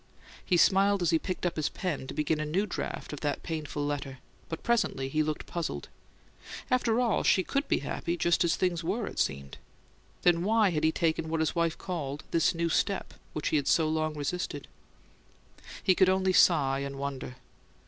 He smiled as he picked up his pen to begin a new draft of the painful letter; but presently he looked puzzled. After all, she could be happy just as things were, it seemed. Then why had he taken what his wife called "this new step," which he had so long resisted? He could only sigh and wonder.